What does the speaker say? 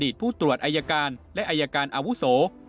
ผู้ตรวจอายการและอายการอาวุโส